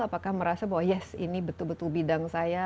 apakah merasa bahwa yes ini betul betul bidang saya